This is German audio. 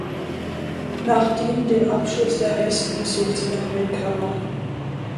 Nachdem dem Abschluss der High School zog sie nach Vancouver.